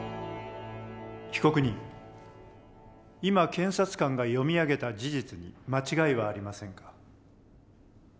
被告人今検察官が読み上げた事実に間違いはありませんか？